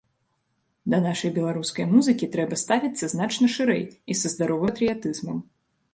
Да нашай беларускай музыкі трэба ставіцца значна шырэй і са здаровым патрыятызмам.